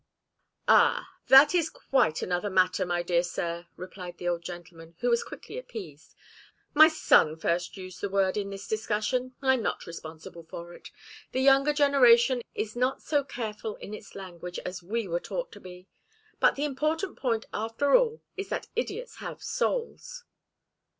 "Ah that is quite another matter, my dear sir," replied the old gentleman, who was quickly appeased. "My son first used the word in this discussion. I'm not responsible for it. The younger generation is not so careful in its language as we were taught to be. But the important point, after all, is that idiots have souls."